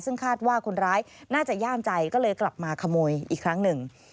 ซึ่งคาดว่าคนร้ายน่าจะย่ามใจก็เลยกลับมาขโมยอีกครั้งหนึ่ง